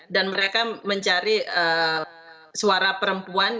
dan mereka mencari suara perempuan